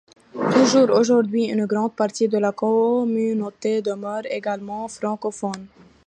Toujours aujourd'hui, une grande partie de la communauté demeure également francophone.